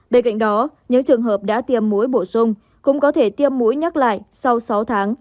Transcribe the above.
bên cạnh đó những trường hợp đã tiêm mũi bổ sung cũng có thể tiêm mũi nhắc lại sau sáu tháng